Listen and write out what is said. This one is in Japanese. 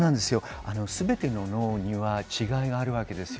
全ての脳には違いがあるわけです。